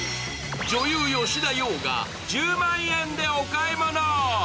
女優・吉田羊が１０万円でお買い物。